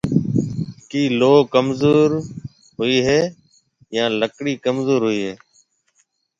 ڪِي لوه ڪمزور هوئي هيَ يان لڪڙِي ڪمزور هوئي هيَ؟